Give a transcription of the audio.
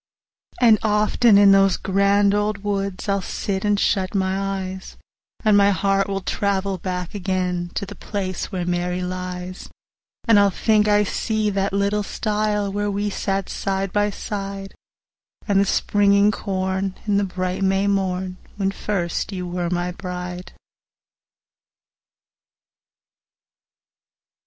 And often in those grand old woods I'll sit, and shut my eyes, And my heart will travel back again To the place where Mary lies; 60 And I'll think I see the little stile Where we sat side by side: And the springin' corn, and the bright May morn, When first you were my bride.